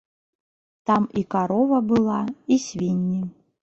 Там і карова была, і свінні.